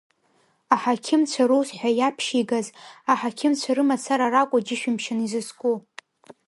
Аҳақьымцәа рус ҳәа иаԥшьигаз, аҳақьымцәа рымацара ракәу џьышәымшьан изызку…